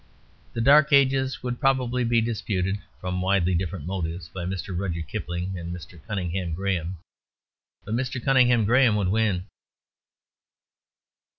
The Dark Ages would probably be disputed (from widely different motives) by Mr. Rudyard Kipling and Mr. Cunninghame Graham. But Mr. Cunninghame Graham would win.